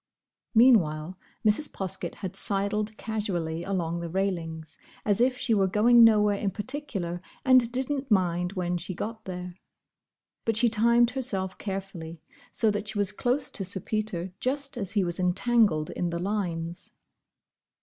Meanwhile Mrs. Poskett had sidled casually along the railings, as if she were going nowhere in particular and didn't mind when she got there. But she timed herself carefully, so that she was close to Sir Peter just as he was entangled in the lines.